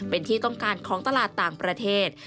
เป็นที่ต้องการของตลาดต่างประเทศ